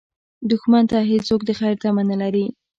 دښمن ته هېڅوک د خیر تمه نه لري